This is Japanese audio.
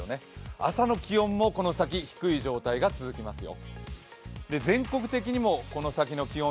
朝の気温もこの先、低い状態が続きますよ。